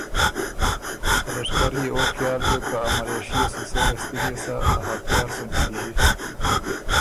ته لشکر يې او خیال بیوک که املېشئے سُو سېره ستِړيې سَۀ ا هتیار سُو نیکیݫی